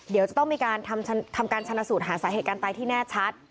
เดี๋ยวจะต้องมีการทำการชนะสูตรหาสาเหตุการณ์ตายที่แน่ชัด